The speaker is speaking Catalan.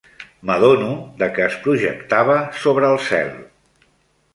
M'adono de que es projectava sobre el cel